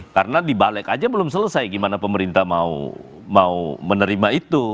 karena dibalik aja belum selesai gimana pemerintah mau menerima itu